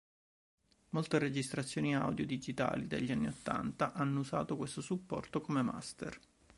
Molte registrazioni audio digitali degli anni ottanta hanno usato questo supporto come master.